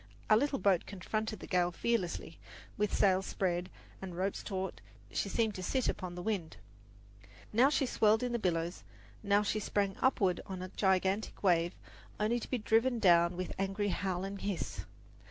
Our little boat confronted the gale fearlessly; with sails spread and ropes taut, she seemed to sit upon the wind. Now she swirled in the billows, now she sprang upward on a gigantic wave, only to be driven down with angry howl and hiss.